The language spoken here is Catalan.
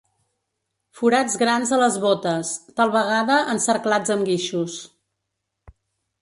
Forats grans a les bótes, tal vegada encerclats amb guixos.